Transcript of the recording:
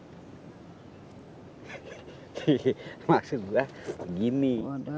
hihihi maksud gua begini